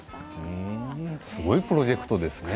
すごいプロジェクトですね。